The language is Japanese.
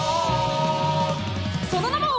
「その名も！」